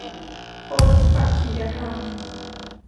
โพธิปักขิยธรรม